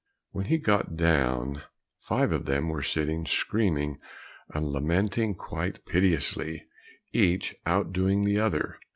When he got down, five of them were sitting screaming and lamenting quite piteously, each out doing the other.